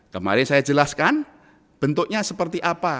kemarin saya jelaskan bentuknya seperti apa